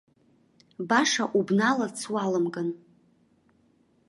Баша убналарц уаламган.